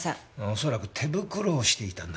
恐らく手袋をしていたんだろうね。